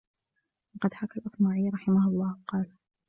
وَقَدْ حَكَى الْأَصْمَعِيُّ رَحِمَهُ اللَّهُ قَالَ